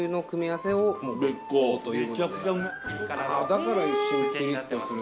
だから一瞬ピリッとする。